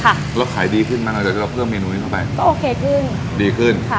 ค่ะแล้วขายดีขึ้นมั้งเราเพิ่มเมนูนี้เข้าไปก็โอเคขึ้นดีขึ้นค่ะ